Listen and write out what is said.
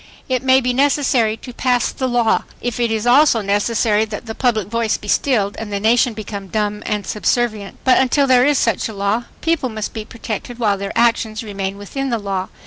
It may be necessary to pass the law, if it is also necessary that the public voice be stilled and the nation become dumb and subservient. But until there is such a law ... people must be protected while their actions remain within the law.